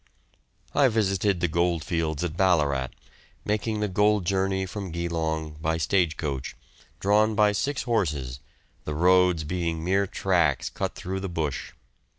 I visited the gold fields at Ballarat, making the journey from Geelong by stage coach, drawn by six horses, the roads being mere tracks cut through the bush.